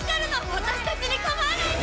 私たちに構わないで！